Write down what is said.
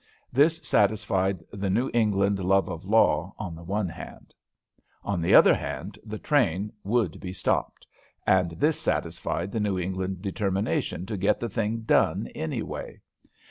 This satisfied the New England love of law, on the one hand. On the other hand, the train would be stopped, and this satisfied the New England determination to get the thing done any way.